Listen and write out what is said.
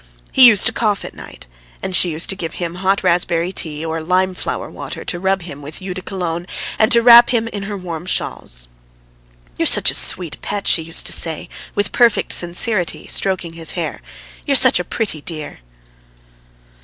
He used to cough at night, and she used to give him hot raspberry tea or lime flower water, to rub him with eau de Cologne and to wrap him in her warm shawls. "You're such a sweet pet!" she used to say with perfect sincerity, stroking his hair. "You're such a pretty dear!"